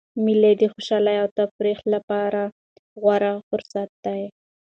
مېله د خوشحالۍ او تفریح له پاره غوره فرصت دئ.